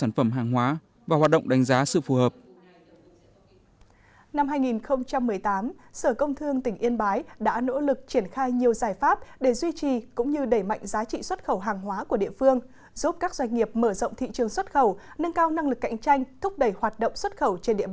năm hai nghìn một mươi chín tỉnh yên bái phấn đấu kim ngạch xuất khẩu đạt một trăm năm mươi triệu đô la mỹ